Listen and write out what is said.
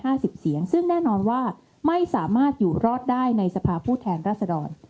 เสียงซึ่งแน่นอนว่าไม่สามารถอยู่รอดได้ในสภาพผู้แทนรัศดร